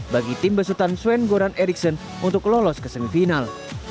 bagi tim besutan swen goran ericson untuk lolos ke semifinal